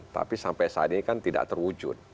tapi sampai saat ini kan tidak terwujud